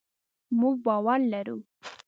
مونږ باور لرو